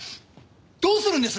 どうするんです！？